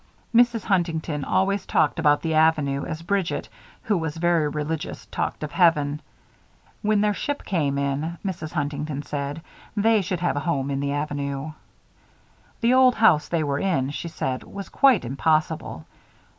Mrs. Huntington always talked about the Avenue as Bridget, who was very religious, talked of heaven. When their ship came in, Mrs. Huntington said, they should have a home in the Avenue. The old house they were in, she said, was quite impossible.